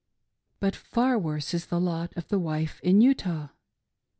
But far worse is the lot of the wife in Utah.